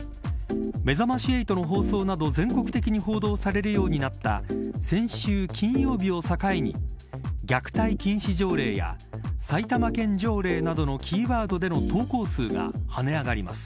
めざまし８の放送など全国的に報道されるようになった先週金曜日を境に虐待禁止条例や埼玉県条例などのキーワードでの投稿数が跳ね上がります。